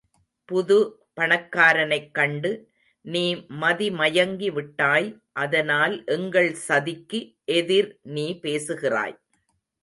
புது பணக்காரனைக் கண்டு நீ மதிமயங்கி விட்டாய் அதனால் எங்கள் சதிக்கு எதிர் நீ பேசுகிறாய்.